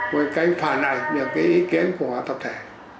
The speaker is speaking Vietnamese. một cái kênh phản ảnh những cái ý kiến của họ tập thể